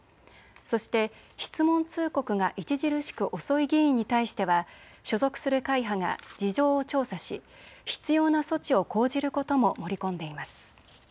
そして質問通告が著しく遅い議員に対しては所属する会派が事情を調査し必要な措置を講じることも盛り込んでいます。